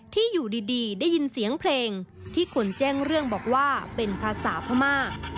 ที่อยู่ดีได้ยินเสียงเพลงที่คนแจ้งเรื่องบอกว่าเป็นภาษาพม่า